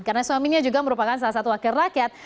karena suaminya juga merupakan salah satu wakil rakyat